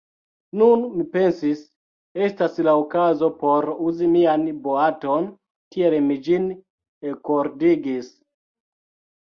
Nun, mi pensis, estas la okazo por uzi mian boaton; tiel mi ĝin ekordigis.